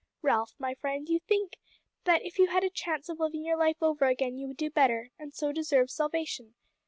Ralph, my friend, you think that if you had a chance of living your life over again you would do better and so deserve salvation.